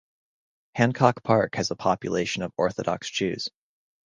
Hancock Park has a population of Orthodox Jews.